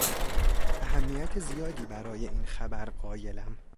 اهمیت زیادی برای این خبر قایلم.